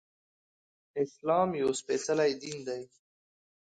اسلام يو سپيڅلی دين دی